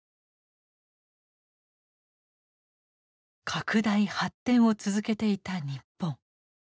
拡大発展を続けていた日本。